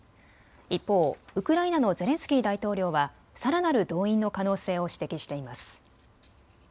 一方、ウクライナのゼレンスキー大統領はさらなる動員の可能性を指摘しています。